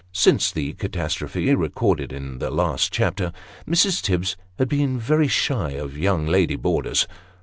Since the catastrophe recorded in the last chapter, Mrs. Tibbs had been very shy of young lady boarders.